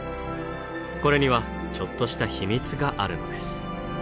これにはちょっとした秘密があるのです。